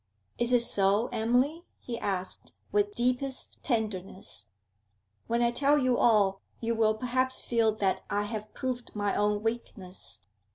'Is it so, Emily?' he asked, with deepest tenderness. 'When I tell you all, you will perhaps feel that I have proved my own weakness.